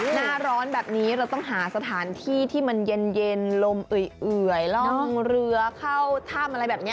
หน้าร้อนแบบนี้เราต้องหาสถานที่ที่มันเย็นลมเอื่อยล่องเรือเข้าถ้ำอะไรแบบนี้